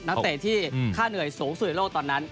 เตะที่ค่าเหนื่อยสูงสุดในโลกตอนนั้น